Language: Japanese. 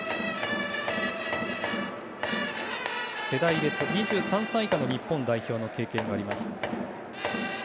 世代別、２３歳以下の日本代表の経験があります。